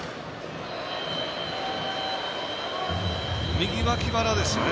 右わき腹ですよね